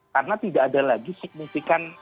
karena tidak ada lagi signifikan